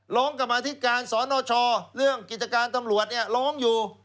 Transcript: กรรมาธิการสนชเรื่องกิจการตำรวจเนี่ยร้องอยู่